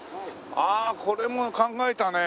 ああこれも考えたね。